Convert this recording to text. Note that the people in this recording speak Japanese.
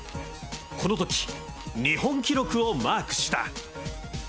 このとき、日本記録をマークした。